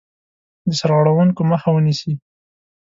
د سرغړونکو مخه ونیسي.